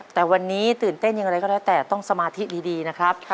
แต่วันนี้ตื่นเต้นอย่างไรก็แล้วแต่ต้องสมาธิดีนะครับ